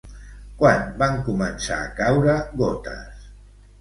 Quan van començar a caure gotes?